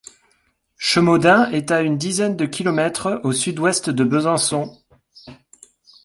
Chemaudin est à une dizaine de kilomètres au sud-ouest de Besançon.